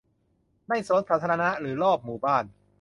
ในสวนสาธารณะหรือรอบหมู่บ้าน